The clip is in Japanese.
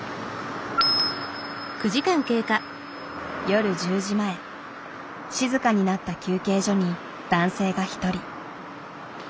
夜１０時前静かになった休憩所に男性が一人。